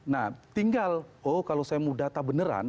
nah tinggal oh kalau saya mau data beneran